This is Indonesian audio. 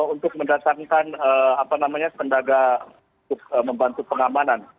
untuk mendatangkan apa namanya kendaga untuk membantu pengamanan